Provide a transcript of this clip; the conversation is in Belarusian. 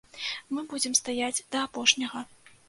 Мы будзем стаяць да апошняга.